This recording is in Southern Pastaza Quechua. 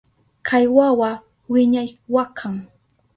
Kay wawa wiñay wakan.